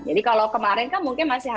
jadi kalau kemarin kan mungkin masih ada